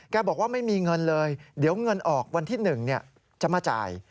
บอกว่าไม่มีเงินเลยเดี๋ยวเงินออกวันที่๑จะมาจ่าย